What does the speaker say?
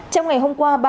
trong ngày hôm qua